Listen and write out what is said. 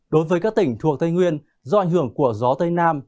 đối với các tỉnh thuộc tây nguyên do ảnh hưởng của gió tây nam